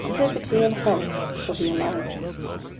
Liberty and health shall be alike.